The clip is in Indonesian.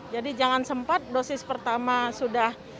jadi jangan sempat dosis pertama sudah